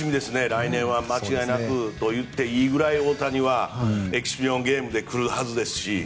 来年は間違いなくといっていいぐらい大谷は試合でも日本に来るはずですし。